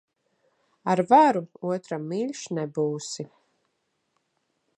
Ar varu otram mīļš nebūsi.